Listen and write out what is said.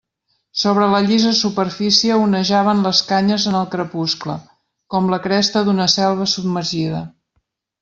Sobre la llisa superfície onejaven les canyes en el crepuscle, com la cresta d'una selva submergida.